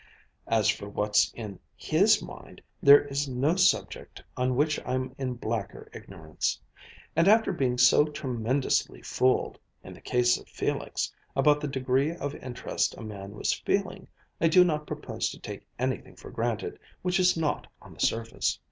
As for what's in his mind, there is no subject on which I'm in blacker ignorance. And after being so tremendously fooled, in the case of Felix, about the degree of interest a man was feeling, I do not propose to take anything for granted which is not on the surface.